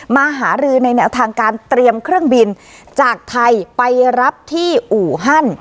หารือในแนวทางการเตรียมเครื่องบินจากไทยไปรับที่อู่ฮัน